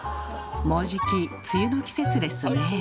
もうじき梅雨の季節ですね。